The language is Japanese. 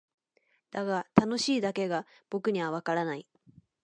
だが「楽しい」だけが僕にはわからない。